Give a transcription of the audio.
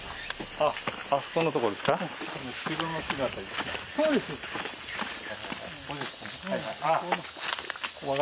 あ、あそこのとこですか？